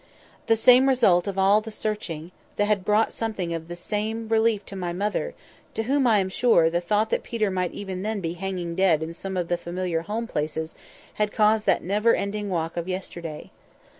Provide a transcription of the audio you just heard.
"The same result of all the searching had brought something of the same relief to my mother, to whom, I am sure, the thought that Peter might even then be hanging dead in some of the familiar home places had caused that never ending walk of yesterday.